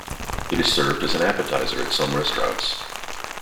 It is served as an appetizer at some restaurants.